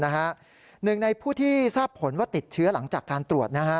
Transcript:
หนึ่งในผู้ที่ทราบผลว่าติดเชื้อหลังจากการตรวจ